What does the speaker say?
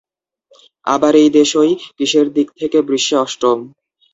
আবার এই দেশই কিসের দিক থেকে বিশ্বে অষ্টম?